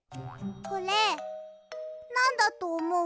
これなんだとおもう？